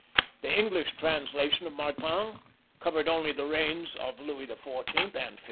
The English translation of Martin covered only the reigns of Louis XIV. and XV.